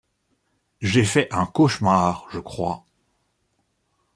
J’ai fait un cauchemar, je crois.